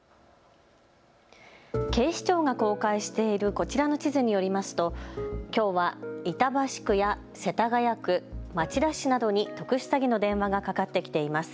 警視庁が公開しているこちらの地図によりますときょうは板橋区や世田谷区、町田市などに特殊詐欺の電話がかかってきています。